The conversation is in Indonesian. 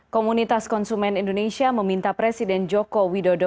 komunitas konsumen indonesia meminta presiden joko widodo